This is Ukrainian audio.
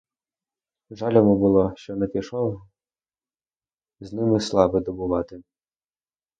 Жаль йому було, що не пішов з ними слави добувати.